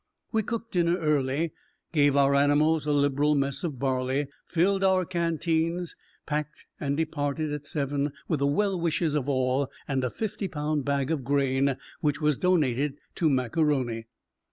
We cooked dinner early, gave our animals a liberal mess of barley, filled our canteens, packed and departed at seven with the well wishes of all and a fifty pound bag of grain, which was donated to Mac A'Rony.